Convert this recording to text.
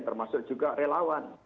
termasuk juga relawan